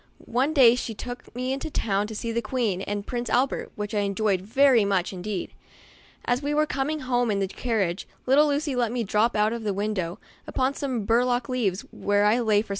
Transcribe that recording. One day she took me into town to see the Queen and Prince Albert, which I enjoyed very much indeed. As we were coming home in the carriage, little Lucy let me drop out the window, upon some burdock leaves, where I lay for some time.